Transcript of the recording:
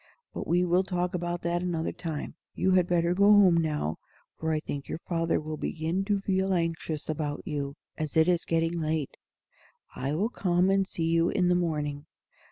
But we will talk about that another time. You had better go home now, for I think your father will begin to feel anxious about you, as it is getting late. I will come and see you in the morning."